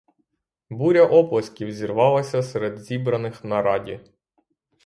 Буря оплесків зірвалася серед зібраних на раді.